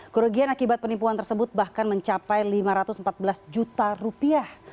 kerugian akibat penipuan tersebut bahkan mencapai lima ratus empat belas juta rupiah